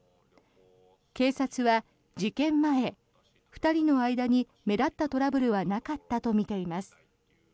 警察は事件前、２人の間に目立ったトラブルはなかったとみています。